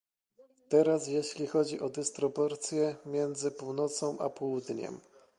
Teraz, jeśli chodzi o dysproporcje między Północą a Południem